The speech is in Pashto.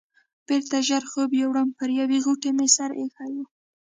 بېرته ژر خوب یووړم، پر یوې غوټې مې سر ایښی و.